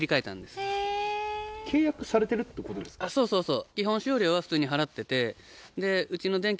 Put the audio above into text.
そうそうそう。